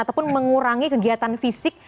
ataupun mengurangi kegiatan fisik